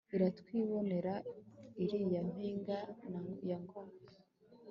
iratwibonera ilya mpinga ya Ngoma